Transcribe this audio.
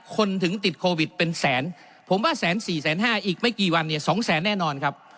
คนถึงติดโควิดเป็นแสนผมว่าแสนสี่แสนห้าอีกไม่กี่วันเนี่ย๒แสนแน่นอนครับ